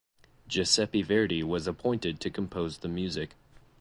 Giuseppe Verdi was appointed to compose the music.